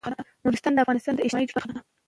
نورستان د افغانستان د اجتماعي جوړښت برخه ده.